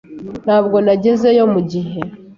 Ntabwo nagezeyo mugihe.